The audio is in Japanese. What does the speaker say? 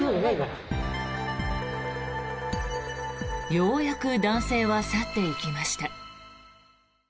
ようやく男性は去っていきました。